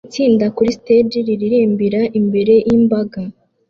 Itsinda kuri stage riririmbira imbere yimbaga